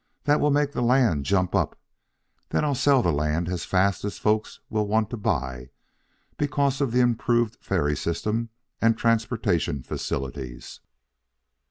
That will make the land jump up. Then I'll sell the land as fast as the folks will want to buy because of the improved ferry system and transportation facilities.